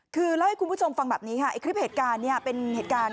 คือเล่าให้คุณผู้ชมฟังแบบนี้ค่ะไอ้คลิปเหตุการณ์เนี่ยเป็นเหตุการณ์